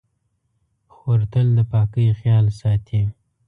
خور تل د پاکۍ خیال ساتي.